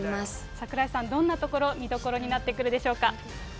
櫻井さん、どんなところ、見どころになってくるでしょうか。